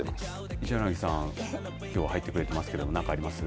一柳さん、きょう入ってくれてますけど何かあります。